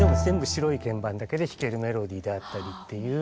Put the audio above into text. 白い鍵盤だけで弾けるメロディーであったりっていう。